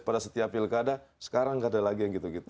pada setiap pilkada sekarang gak ada lagi yang gitu gitu